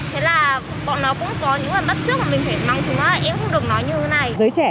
thế là bọn nó cũng có những bất xước mà mình phải mong chúng nó là em không được nói như thế này